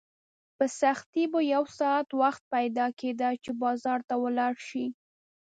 په سختۍ به یو ساعت وخت پیدا کېده چې بازار ته ولاړ شې.